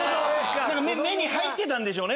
目に入ってたんでしょうね。